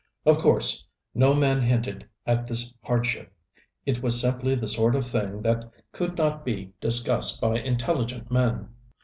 Of course no man hinted at this hardship. It was simply the sort of thing that could not be discussed by intelligent men.